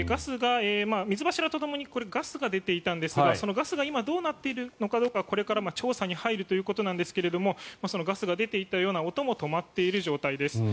水柱とともにガスが出ていたんですがそのガスが今どうなっているのかはこれから調査に入るということですがそのガスが出ていたような音も止まっている状態です。